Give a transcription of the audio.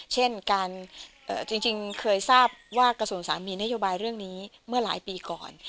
เช่นการจริงเคยทราบว่ากระทรวงสามีนโยบายเรื่องนี้เมื่อหลายปีก่อน